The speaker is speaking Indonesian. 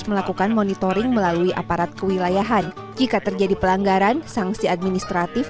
melakukan monitoring melalui aparat kewilayahan jika terjadi pelanggaran sanksi administratif